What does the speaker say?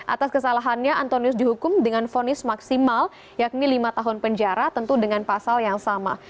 atas kesalahannya antonius dihukum dengan fonis maksimal yakni lima tahun penjara tentu dengan pasal yang sama